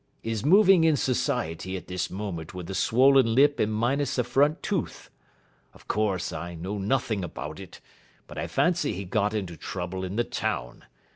is moving in society at this moment with a swollen lip and minus a front tooth. Of course, I know nothing about it, but I fancy he got into trouble in the town.